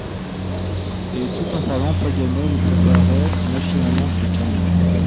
Et tout en parlant, Paganel préparait machinalement son carnet.